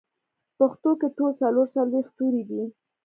پښتو کې ټول څلور څلوېښت توري دي